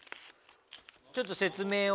ちょっと説明を。